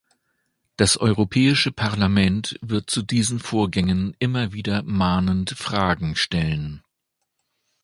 Das Europäische Parlament wird zu diesen Vorgängen immer wieder mahnend Fragen stellen.